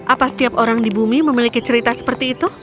apa setiap orang di bumi memiliki cerita seperti itu